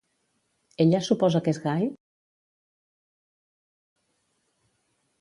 Ella suposa que és gai?